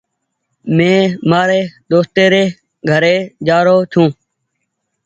مين مآري دوستي ري گھري جآ رو ڇون۔